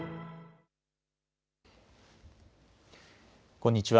こんにちは。